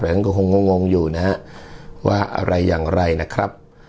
หลายท่านก็คงงงงงอยู่นะฮะว่าอะไรอย่างไรนะครับ